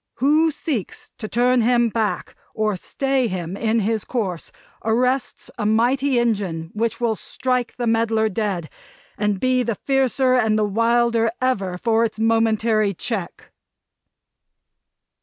Who seeks to turn him back, or stay him on his course, arrests a mighty engine which will strike the meddler dead; and be the fiercer and the wilder, ever, for its momentary check!"